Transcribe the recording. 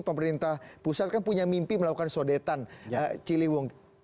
pemerintah pusat kan punya mimpi melakukan sodetan ciliwung